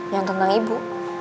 yang tentang ibu